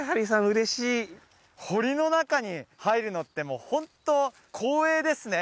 嬉しい堀の中に入るのってもうホント光栄ですね